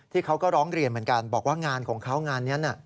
เขาก็ร้องเรียนเหมือนกันบอกว่างานของเขางานนี้